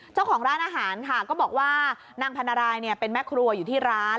เจ้าของร้านอาหารค่ะก็บอกว่านางพันรายเป็นแม่ครัวอยู่ที่ร้าน